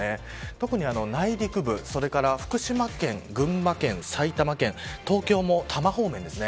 特に内陸部それから福島県、群馬県、埼玉県東京も多摩方面です。